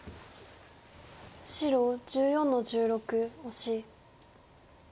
白１４の十六オシ。